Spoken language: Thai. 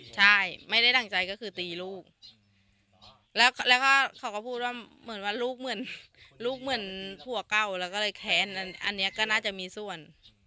ใช่ไม่ได้ดั่งใจก็คือตีลูกแล้วก็เขาก็พูดว่าเหมือนว่าลูกเหมือนลูกเหมือนผัวเก่าแล้วก็เลยแค้นอันนี้ก็น่าจะมีส่วน